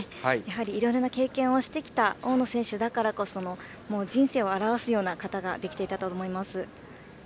いろいろな経験をしてきた大野選手だからこその人生を表すような形ができていたと思います。